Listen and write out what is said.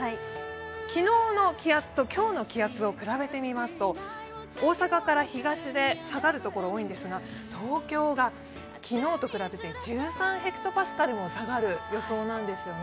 昨日の気圧と今日の気圧を比べてみますと大阪から東で下がるところ多いんですが、東京が昨日と比べて１３ｈＰａも下がる予想なんですよね。